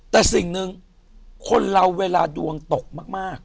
แต่สิ่งหนึ่งคนเราเวลาดวงตกมาก